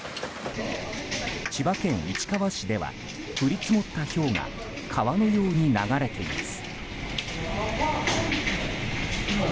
千葉県市川市では降り積もったひょうが川のように流れています。